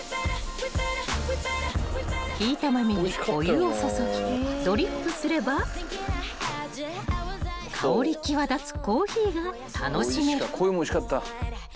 ［ひいた豆にお湯を注ぎドリップすれば香り際立つコーヒーが楽しめる］